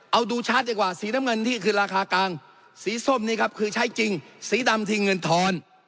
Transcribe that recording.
เอาดูชาร์จดีกว่าสีน้ำเงินที่คือราคากลางสีส้มนี่ครับคือใช้จริงสีดำทิ้งเงินทอน